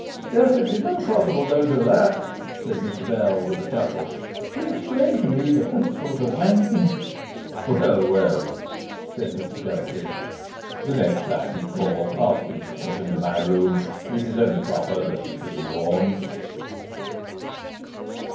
'There could be no possible doubt of that,' said Mr Bell with a chuckle. 'He explained to me the principles of banking.' 'Well, well,' said Mr Judkin. 'The next time he calls ask him to step into my room. It is only proper he should be warned.